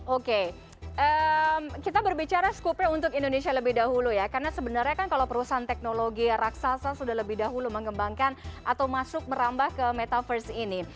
oke kita berbicara skupnya untuk indonesia lebih dahulu ya karena sebenarnya kan kalau perusahaan teknologi raksasa sudah lebih dahulu mengembangkan atau masuk merambah ke metaverse ini